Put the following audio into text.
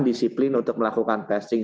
disiplin untuk melakukan testing